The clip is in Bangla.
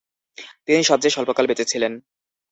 তিনি সবচেয়ে স্বল্পকাল বেঁচে ছিলেন।